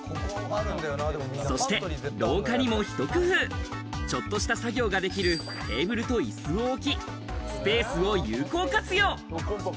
そして、廊下にもひと工夫、ちょっとした作業ができるテーブルといすを置き、スペースを有効活用。